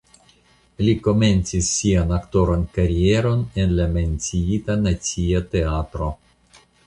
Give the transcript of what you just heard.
Li komencis sian aktoran karieron en la menciita Nacia Teatro.